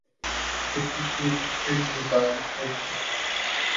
یہ صرف رجسٹرڈ مدارس کا ذکر ہے۔